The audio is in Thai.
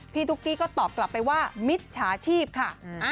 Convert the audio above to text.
ตุ๊กกี้ก็ตอบกลับไปว่ามิจฉาชีพค่ะ